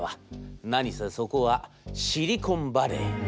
何せそこはシリコンバレー。